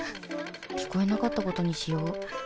聞こえなかったことにしよう